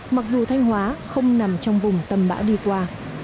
mặc dù thanh hóa không nằm trong vùng tâm bão đi qua